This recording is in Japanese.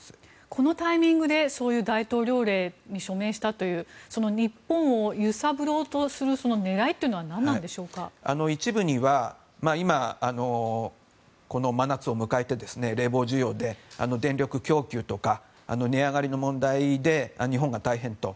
このタイミングでそういう大統領令に署名したという日本を揺さぶろうとする狙いというのは一部には今、真夏を迎えて冷房需要で電力供給とか値上がりの問題で日本が大変と。